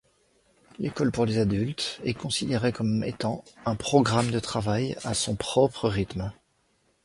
L'École pour les adultes est considérée comme étant un programme de travail à son-propre-rythme.